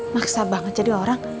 maksa banget jadi orang